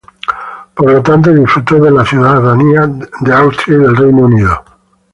Por lo tanto, disfrutó de la ciudadanía de Austria y del Reino Unido.